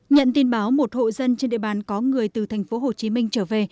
nhận tin báo một hộ dân trên địa bàn có người từ tp hcm trở về